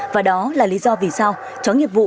và đó là lý do vì sao chó nghiệp vụ